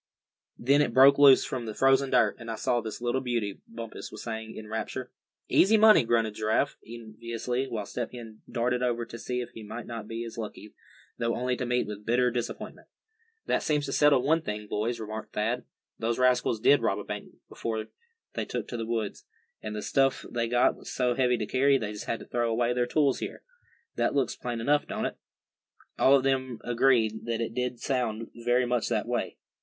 Then it broke loose from the frozen dirt, and I saw this little beauty," Bumpus was saying, in rapture. "Easy money!" grunted Giraffe, enviously; while Step Hen darted over to see if he might not be as lucky, though only to meet with bitter disappointment. "That seems to settle one thing, boys," remarked Thad. "Those rascals did rob a bank before they took to the woods. And the stuff they got was so heavy to carry, they just had to throw away their tools here. That looks plain enough, don't it?" All of them agreed that it did sound very much that way.